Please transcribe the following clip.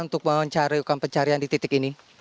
untuk mencari hukum pencarian di titik ini